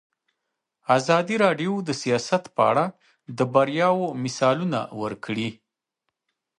ازادي راډیو د سیاست په اړه د بریاوو مثالونه ورکړي.